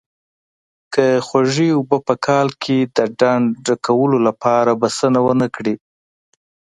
که خوږې اوبه په کال کې د ډنډ ډکولو لپاره بسنه ونه کړي.